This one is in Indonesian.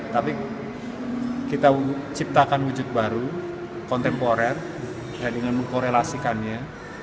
tapi kita ciptakan wujud baru kontemporer dengan mengkorelasikannya